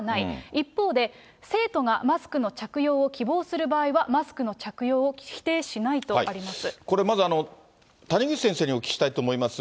一方で、生徒がマスクの着用を希望する場合は、マスクの着用を否これまず、谷口先生にお聞きしたいと思います。